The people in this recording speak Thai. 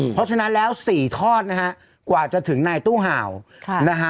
เพราะฉะนั้นแล้ว๔ทอดนะฮะกว่าจะถึงในตู้ห่าวนะฮะ